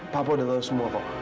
papa udah tahu semua kok